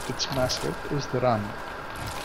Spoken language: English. Its mascot is the ram.